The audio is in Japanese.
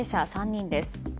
３人です。